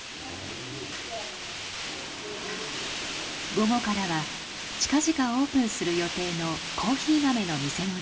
午後からは近々オープンする予定のコーヒー豆の店の準備。